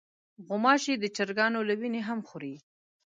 غوماشې د چرګانو له وینې هم خوري.